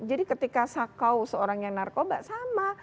jadi ketika sakau seorang yang narkoba sama